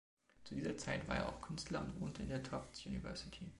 Zu dieser Zeit war er auch Künstler und wohnte in der Tufts University.